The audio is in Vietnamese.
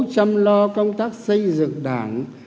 chăm lo công tác xây dựng đảng